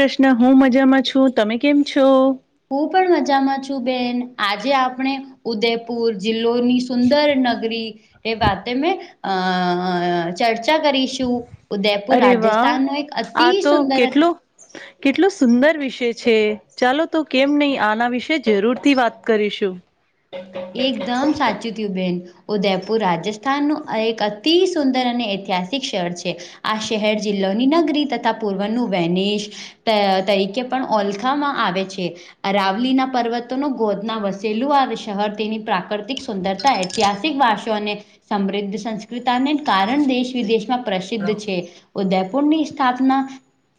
પ્રૃશ્ન હું મજામાં છું. તમે કેમ છો? હું પણ મજામાં છું બેન. આજે આપણે ઉદયપુર જિલ્લોની સુંદર નગરી એ વાતે મેં અ ચર્ચા કરીશું. ઉદયપુર અરે વાહ રાજસ્થાનું એક અતિ આ તો સુંદર કેટલો કેટલો સુંદર વિષય છે. ચાલો, તો કેમ નહી. આના વિશે જરૂરથી વાત કરીશું. એકદમ સાચું થયું બેન. ઉદયપુર રાજસ્થાનનું એક અતિ સુંદર અને ઐતિહાસિક શહેર છે. આ શહેર જિલ્લોની નગરી તથા પૂર્વનું વનેશ અ તરીકે પણ ઓલખવામાં આવે છે. અરાવલીના પર્વતોનો ગોદના વસેલું આવે છે. શહર તેની પ્રાકૃતિક સુંદરતા ઐતિહાસિક વાસો અને સમૃદ્ધ સંસ્કૃતાને કારણ દેશ, વિદેશમાં પ્રસિદ્ધ છે. ઉદયપુરની સ્થાપના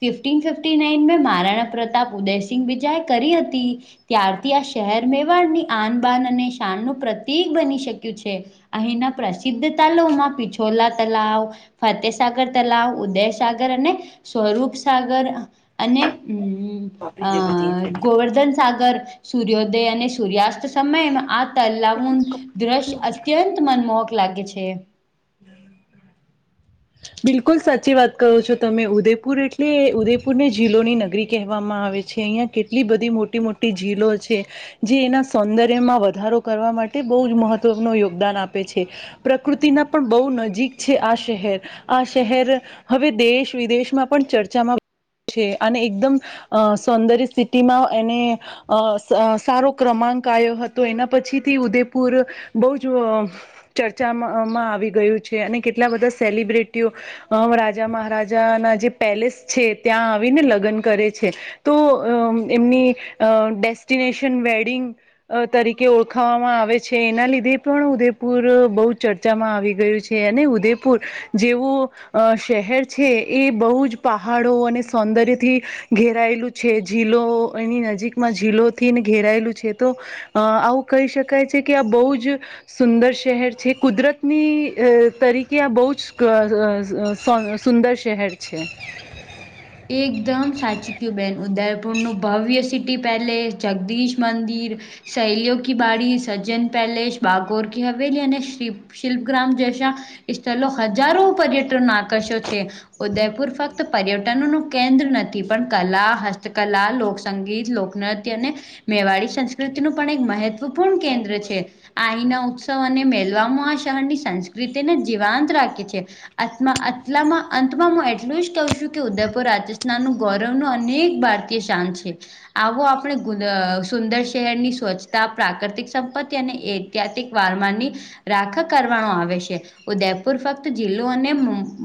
ફિફ્ટન ફિફ્ટી નાઈન મેં મહારાણા પ્રતાપ ઉદયસિંહ બીજાએ કરી હતી. ત્યારથી આ શહેર મેવાડની આનબાન અને શાનનું પ્રતિક બની શક્યું છે. અહિના પ્રસિદ્ધ તલાવમાં પિછોલા તલાાવ ફતેસાગર તલાવ, ઉદયસાગર અને સ્વરૂપસાગર અને હમ અ ગોવર્ધન સાગર સૂર્યોદય અને સૂર્યાસ્ત સમય આ તલાવનું દ્રશ્ય અત્યંત મનમોહક લાગે છે. હ. [inaudible] બિલકુલ સાચી વાત કરો છો તમે? ઉદયપુર એટલે ઉદેપુરને જિલ્લોની નગરી કહેવામાં આવે છે, અહિયાં. કેટલી બધી મોટી મોટી ઝીલો છે, જે એના સૌંદર્યમાં વધારો કરવા માટે બહુ જ મહત્ત્વનું યોગદાન આપે છે. પ્રકૃતિના પણ બહુ નજીક છે. આ શહેર આ શહેર હવે, દેશ, વિદેશમાં પણ ચર્ચામાં છે અને એકદમ અ સૌંદર્ય સિટીમાં એને અ અ સારો ક્રમાંક આવ્યો હતો. એના પછીથી ઉદેપુર બહુ જ ચર્ચામાંમાં આવી ગયું છે અને કેટલા બધા સેલિબ્રિટીઓ અમ રાજા મહારાજાના જે પેલેસ છે, ત્યાં આવીને લગ્ન કરે છે. તો અ એમની અ ડેસ્ટિનેશન વેડિંગ અ તરીકે કે ઓળખાવામાં આવે છે. એના લીધે પણ ઉદેપુર બહુ ચર્ચામાં આવી ગયું છે અને ઉદેપુર પુર જેવું અ શહેર છે એ બહુ જ પહાડો અને સૌંદર્યથી ઘેરાયેલું છે ઝીલો એની નજીકમાં ઝીલોથી ને ઘેરાયેલું છે તો અ આવું કહી શકાય છે કે આ બહુ જ સુંદર શહેર છે કુદરતની અ તરીકે આ બહુ જ સ સુુંદર શહેર છે. એકદમ સાચીકયું બેહેન ઉદયપુરનું ભવ્ય સિટી પેલેસ, જગદીશ મંદિર સહેલીયો કી બાડી, સજ્જન પેલેસ બાગોર કી હવેલી અને શ્રી શિલ્પગ્રામ જૈસા એ સ્થલો હજારો પર્યટન ક્રશ્યો છે ઉદયપુર ફક્ત પર્યટન નું કેન્દ્ર નથી પણ કલા હસ કલા, લોકસંગીત, લોકનૃત્ય અને મેવાડી સં સંસ્કૃતિનું પણ એક મહત્વપૂર્ણ કેન્દ્ર છે. આ અહીંના ઉત્સવ અને મેલવામાં આ શહરની સંસ્ક રીતેને જીવાંત રાખે છે અતમાં અતલામાં અંતમાં હું એટલું જ કહ છું કે ઉદયપુર રાજસ્થાનનું ગૌરવનું અનેક ભારતીય શાન છે. આવો આપણે સુંદર શહેરની સ્વચ્છતા પ્રાકૃતિક સંપત્તિ અને એ ક્યાર્થિક વારમારની રાખ કરવાનો આવે છે. ઉદયપુર ફક્ત જિલ્લો અને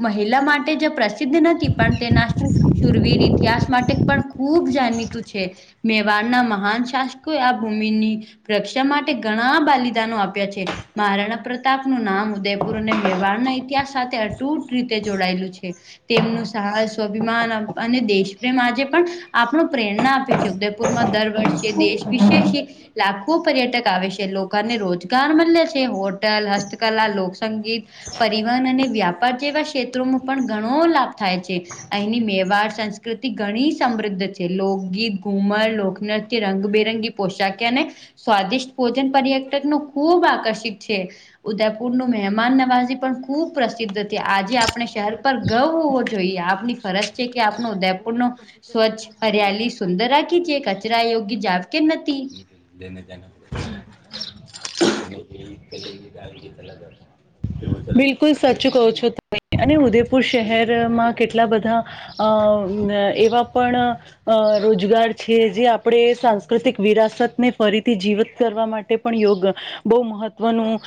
મહિલા માટે જે પ્રસિદ્ધ નથી પણ તેના શુરવીર ઇતિહાસ માટે પણ ખૂબ જાણીતું છે. મેવાડના મહાન શાસ્કો આ ભૂમિની રક્ષા માટે ઘણા બલિદાનો આપ્યા છે. માહારાણ પ્રતાપનું નામ ઉદયપુર અને મેવાડના ઇતિહાસ સાથે અટૂટ રીતે જોડાયેલું છે. તેમનું સાહસ સ્વાભિમાન અને દેશ પ્રેમ આજે પણ આપણું પ્રેરણા આપે છે. પુરમાં દર વર્ષે દેશ વિશેષી લાખો પર્યટક આવે છે લોકોને રોજગાર મલે છે. હોટલ હસ્તકલા લોકસંગીત પરિવહન અને વ્યાપાર જેવા ક્ષેત્રોનું પણ ઘણો લાભ થાય છે. અહીની મેવાડ સંસ્કૃતિ ઘણી સમૃદ્ધ છે. લોકગીત, ઘુમર, લોકનૃત્ય, રંગબેરંગી પોશાક અને સ્વાદિષ્ટ ભોજન પર્યટકનું ખૂબ આકર્ષિત છે. ઉદયપુરનું મહેમાન નવાજી પણ ખુબ પ્રસિદ્ધ હતી આજે આપણે શહેર પર ગર્વ હોવો જોઈએ. જોઈએ આપની ફરજ છે કે આપનો ઉદયપુર નો સ્વચ્છ હરિયાલી સુંદર રાખી છે કચરા યોગ્ય જાવ કે નથી. [unintelligible] બિલકુલ સાચું કહ છો તમે અને ઉદયપુર શહેરમાં કેટલા બધા અ એવા પણ અ રોજગાર છે જે આપણે સાંસ્કૃતિક વિરાસતને ફરીથી જીવીત કરવા માટે પણ યોગ બહુ મહત્વનું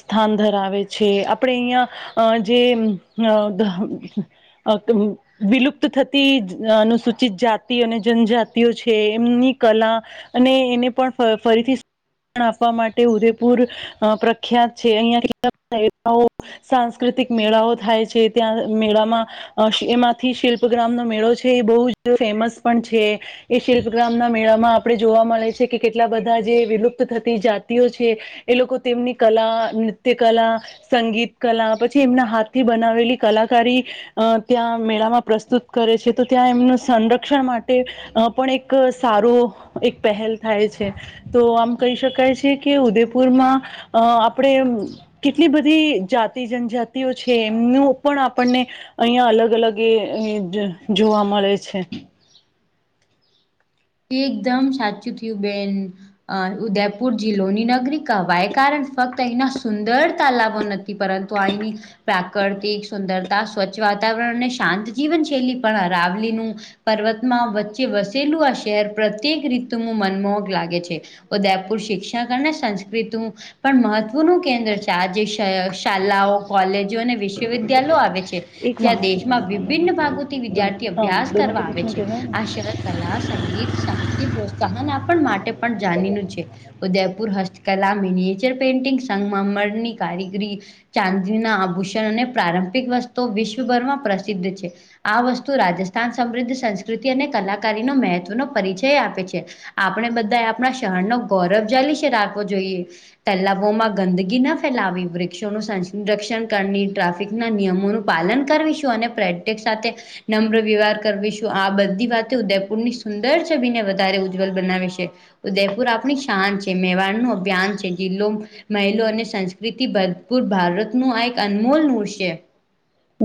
સ્થાન અ ધરાવે છે. આપણેે અહિયાં અ જે અ વિલુપ્ત થતી અનુ સૂચિત જાતિ અને જનજાતિઓ છે એમની કલા અને એને પણ ફરીથી સ્થાન આપવા માટે ઉદેપુર અ પ્રખ્યાત છે અહિયાં કેટલાક સાંસ્કૃતિક મેળાઓ થાય છે ત્યાં મેળામાં એમાંથી શિલ્પગ્રામનો મેળો છે એ બહુ જ ફેમસ પણ છે. એ શિલ્પગ્રામ ના મેળામાં આપણે જોવા મળે છે કે કેટલા બધા જે વિલુપ્ત થતી જાતિઓ છે એ લોકો તેમની કલા, નૃત્ય કલા સંગીત કલા પછી એમના હાથથી બનાવેલી કલાકારી અ ત્યાં મેળામાં પ્રસ્તુત કરે છે તો ત્યાં એમનું સંરક્ષણ માટે અ પણ એક સારું એક પહેલ થાય છે. તો આમ કહી શકાય છે કે ઉદેપુરમાં અ આપણે કેટલી બધી જાતિ જનજાતિઓ છે, એમનું પણ આપણને અહિયાં અલગ અલગ એ જોવા મળે છે. એકદમ સાચું થયું બેન અ ઉદયપુર જિલ્લોની નગરિકા વાય કારણ અહીના સુંદર તાલાબો ન થી પરંતુ આયની પ્રાકૃતિક સુંદરતા સ્વચ્છ વાતાવરણ અને શાંત જીવન શૈલી પણ અરાવલીનું પર્વતમાં વચ્ચે વસેલું અ ધેર પ્રત્યેક રીતું મનમોહક લાગે છે, ઉદયપુર શિક્ષક અને સંસ્કૃતું પણ મહત્વનું કેન્દ્ર છે, આજે શા શાલાઓ કોલેજો અને વિશ્વવિદ્યાયાલો આવે છે, જ્યાં દેશમાં વિભિન્ન ભાગોથી વિદ્યા અભ્યાસ કરવા આવે છે, આ શહર કલાશ સંગીત, સાહિત્ય, પ્રોત્સાહન આપણ માટે પણ જાણીનું છે. ઉદયપુર, હસ્તકલા, મિનીએચર પેઇન્ટિંગ, સંઘમાંમની કારીગરી ચાંદીના આભૂષણ અને પ્રારંભિક વસ્તુ વિશ્વભરમાં પ્રસિદ્ધ છે. આ વસ્તુ રાજસ્થાન સમૃદ્ધ સંસ્કૃતિ અને કલાકારી નો મેંહ નો પરિચય આપે છે, આપણે બધા આપણા શહરનો ગૌરવ જાલી છે, રાખવો જોઈએ. તલાબોમાં ગંદગી ના ફેલાવી વૃક્ષોનો સંરક્ષણ કરની ટ્રાફિકના નિયમોનું પાલન કરવીશું અને પ્રેટેક સાથે નમ્ર વિ્યવહાર કરશું આ બધી વાતે ઉદયપુરની સુંદર છબીને વધારે ઉજ્જવલ બનાવે છે. ઉદયપુર આપણી શાન છે, મેવાડનું અભિયાન છે, જિલ્લો મહિલો અને સંસ્કૃતિ ભરપૂર ભારતનું આ એક અનમોલ નૂર છે.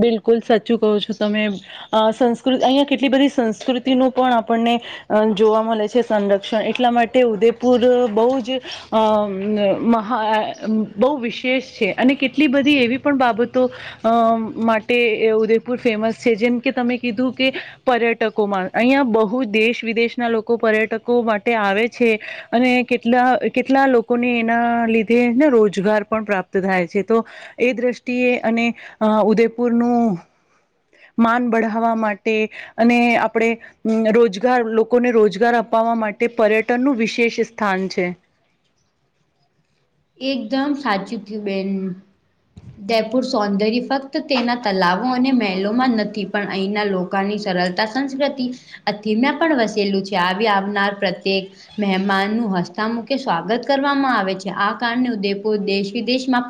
બિલકુલ સાચું કહો છો તમે અ સંસ્કૃ અહીંયા કેટલી બધી સંસ્કૃતિનું પણ આપણને અ જોવા મલે છે, સંરક્ષણ એટલા માટે ઉદેપુર બોઉ જ અ મહા બો વિશેષ છે, અને કેટલી બધી એવી પણ બાબતો અ માટે ઉદયપુર ફેમસ છે, જેમ કે તમે કીધું કે પર્યટકોમાં અહિયાં બહુ દેશ વિદેશના લોકો પર્યટકો માટે આવે છે. અને કેટલા કેટલા લોકોને એના લીધે ને રોજગાર પણ પ્રાપ્ત થાય છે, તો એ દ્રષ્ટિએ અને અ ઉદયપુરનું માન બઢાવવા માટે અને આપણેે અમ રોજગાર લોકોને રોજગાર અપાવવા માટે પર્યટનનું વિશેષ સ્થાન છે. એકદમ સાચું થયુ બેન ઉદેપુર સૌંદર્ય ફક્ત તેના તલાવો અને મહેલોમાં નથી પણ અહીંના લો કાની સરતા સંસ્કૃતિ [unintelligible] તેમાં પણ વસેલું છે, આવી આવનાર પ્રત્યેક મહેમાનનું હસતા મૂખે સ્વાગત કરવામાં આવે છે, આ કારણે ઉદેપૂર દેશ વિદેશમાં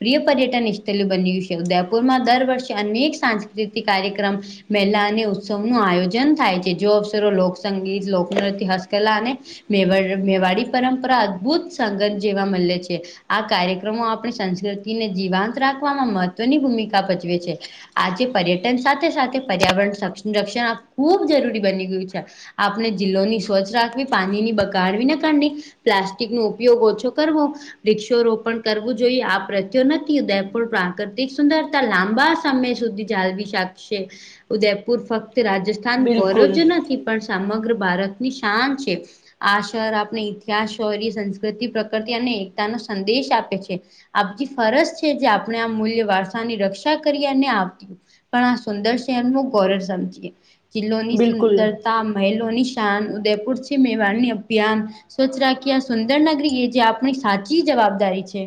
પ્રિય પર્યટન સ્થળ બન્યું છે, ઉદયપુરમાં દર વર્ષે અનેક સાંસ્કૃતિક કાર્યક્રમ મેલા અને ઉત્સવનું આયોજન થાય છે, જો અવસરો, લોકસંગીત, લોકનૃત્ય, હસ્કલા અને મેવાડ મેવાડી પરંપરા અદભુત સંગત જેવા મલે છે. આ કાર્યક્રમો આપણી સંસ્કૃતિને જીવાંત રાખવામાં મહત્વની ભૂમિકા ભજવે છે. આ જે પર્યટન સાથે સાથે પર્યાવરણ સરક્ષણ ખૂબ જરૂરી બની ગયું છે. આપણે જિલ્લોની સ્વચ્છ રાખવી પાણીની બગડવીને ના કરની પ્લાસ્ટિકનો ઉપયોગ ઓછો કરવો. વૃક્ષો રોપણ કરવું જોઈએ આ પ્રત્યો નથી ઉદયપુર પ્રાકૃતિક સુંદરતા લાંબા સમય સુધી ચાલવી શાકશે ઉદયપુર ફક્ત રાજસ્થાન ગૌરવ બિલકુલ જ નથી પણ સામગ્ર ભારતની શાન છે. આ શર આપને ઇતિહાસ શૌર્ય સંસ્કૃતિ પ્ર કરતી અને એકતાનો સંદેશ આપે છે. આપકી ફરજ છે જે આપણે આ મૂલ્ય વારસાની રક્ષા કરીએને આ પણ આ સુંદર શહેરનો ગૌરવ સમજીએ જિલ્લોની બિલકુલ સુંદરતા, મહિલોની [unintelligible] ઉદયપુ છે મેવાડની અભિયાન સ્વચ્છ રાખ્યા સુંદરનગરી એ જે આપણી સાચી જવાબદારી છે.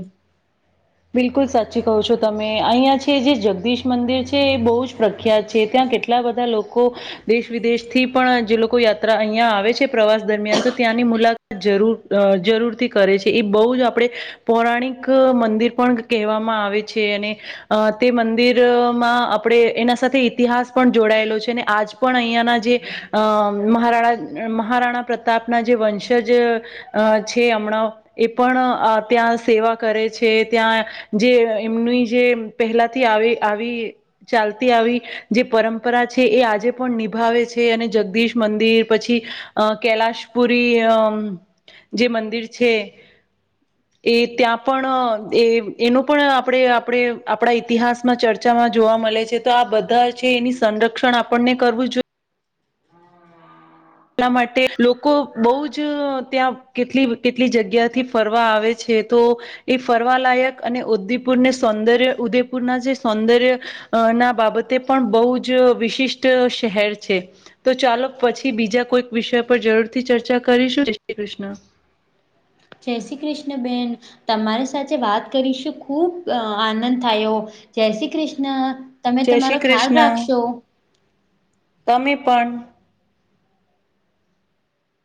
બિલકુલ સાચી કહો છો તમે અહીંયા છે જે જગદીશ મંદિર છે એ બહુ જ પ્રખ્યાત છે ત્યાં કેટ લા બધા લોકો દેશ વિદેશથી પણ જે લોકો યાત્રા અહિયા આવે છે પ્રવાસ દરમિયાન તો ત્યાંની મુલા જરૂર અ જરૂરથી કરે છે એ બહુ જ આપડે પૌરાણિક મંદિર પણ કહેવામાં આવે છે અને અ તે મંદિરમાં આપડે એના સાથે ઇતિહાસ પણ જોડાયેલો છે અને આજ પણ અહીંયાના જે અ મહારાણા મહારાણા પ્રતાપના જે વંશજ અ છે હમણાં એ પણ અ ત્યાં સેવા કરે છે. ત્યાં જે એમની જે પહેલાથી આવી આવી ચાલતી આવી જે પરંપરા છે એ આજે પણ નિભાવે છે અને જગદીશ મંદિર પછી અ કૈલાશપુરી અમ જે મંદિર છે. એ ત્યા પણ એ એનું પણ આપડે આપડે આપડા ઈતિહાસમાં ચર્ચામાં જોવા મલે છે તો આ બધા છે એની સંરક્ષણ આપણને કરવું જો એટલા માટે લોકો બહુ જ ત્યાં કેટલી કેટલી જગ્યાથી ફરવા આવે છે તો એ ફરવાલાયક અને ઉદીપુરને સૌંદર્ય ઉદેપુરના જે સૌંદર્ય અ ના બાબતે પણ બહુ જ વિશિષ્ટ શહેર છે. તો ચાલો પછી બીજા કોઈક વિષય પર જરૂરથી ચર્ચા કરીશું જય શ્રી કૃષ્ણ. જય શ્રી કૃષ્ણ બેેન. તમારી સાથે વાત કરીશું ખુબ અ આનંદ થાયો જય શ્રી કૃષ્ણ. તમે જય તમારો શ્રી ખ્યાલ કૃષ્ણ રાખશો. તમે પણ.